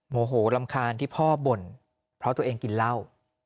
โมโหรำคาญที่พ่อบ่นเพราะตัวเองกินเหล้า